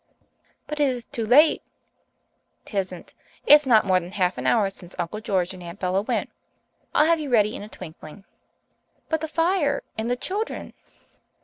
"But it is too late." "'Tisn't. It's not more than half an hour since Uncle George and Aunt Bella went. I'll have you ready in a twinkling." "But the fire and the children!"